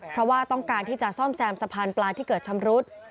เพราะว่าต้องการที่จะซ่อมแซมสะพานปลาที่เกิดชำรุด